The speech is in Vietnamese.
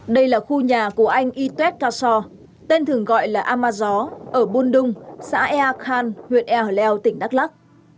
đây là khu nhà của anh y tuét ca so tên thường gọi là amazó ở bôn đung xã ea khan huyện ea hờ leo tỉnh đắk lắc